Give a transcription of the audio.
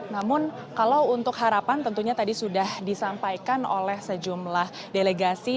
namun kalau untuk harapan tentunya tadi sudah disampaikan oleh sejumlah delegasi